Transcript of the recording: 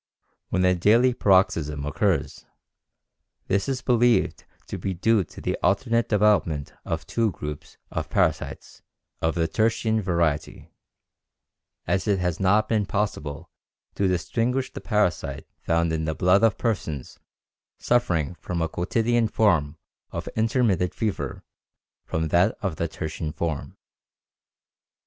When a daily paroxysm occurs, this is believed to be due to the alternate development of two groups of parasites of the tertian variety, as it has not been possible to distinguish the parasite found in the blood of persons suffering from a quotidian form of intermittent fever from that of the tertian form.